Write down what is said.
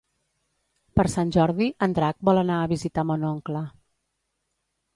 Per Sant Jordi en Drac vol anar a visitar mon oncle.